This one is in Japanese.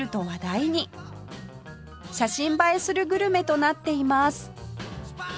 写真映えするグルメとなっています